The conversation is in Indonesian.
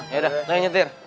yaudah lo yang nyetir